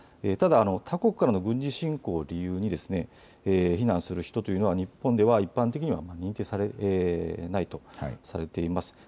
ただ他国からの軍事侵攻を理由に避難する人というのは日本では一般的には認定されないとされています。